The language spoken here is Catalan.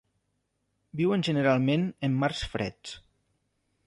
Viuen generalment en mars freds.